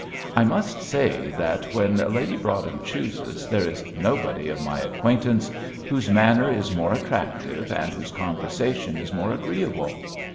I must say that, when Lady Broadhem chooses, there is nobody of my acquaintance whose manner is more attractive, and whose conversation is more agreeable.